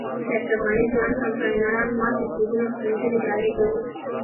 د اشرف غني ځوان کمپاینران ما ته سلګونه ښکنځلې ډالۍ کوي.